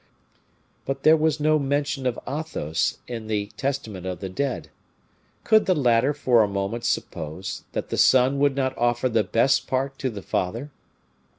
But there was no mention of Athos in the testament of the dead. Could the latter for a moment suppose that the son would not offer the best part to the father?